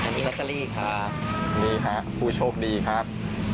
นี่ค่ะผู้โชคดีครับ